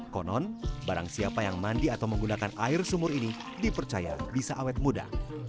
konon barang siapa yang mandi atau menggunakan air sumur ini dipercaya bisa awet muda